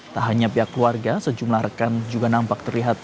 tak hanya pihak keluarga sejumlah rekan juga nampak terlihat